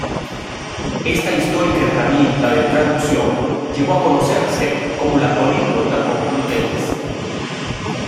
Esta histórica herramienta de traducción llegó a conocerse como la Políglota complutense.